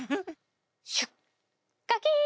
シュッカキーン！